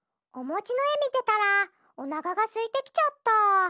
おもちのえみてたらおなかがすいてきちゃった。